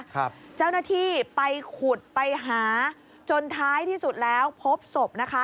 แนวโดยไปขุดไปหาจนท้ายที่สุดแล้วพบศพนะคะ